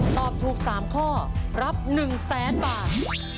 ตอบถูก๓ข้อรับ๑๐๐๐๐๐บาท